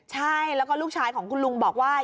ใช่แล้วก็ลูกชายของคุณลุงบอกว่า